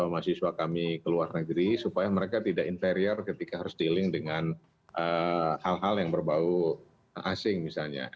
mahasiswa kami ke luar negeri supaya mereka tidak inferior ketika harus dealing dengan hal hal yang berbau asing misalnya